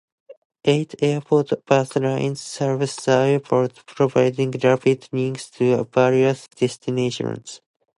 Eight airport bus lines serve the airport, providing rapid links to various destinations.